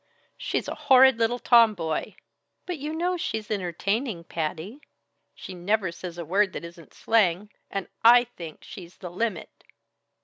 "She's a horrid little tomboy." "But you know she's entertaining, Patty." "She never says a word that isn't slang, and I think she's the limit!"